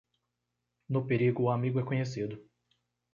No perigo o amigo é conhecido.